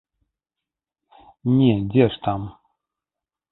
Не, дзе ж там!